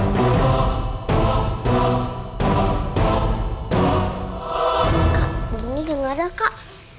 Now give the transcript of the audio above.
kak bangunya udah gaada kak